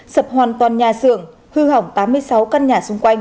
sập hoàn toàn nhà xưởng hư hỏng tám mươi sáu căn nhà